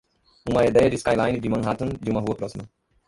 Uma ideia da skyline de Manhattan de uma rua próxima.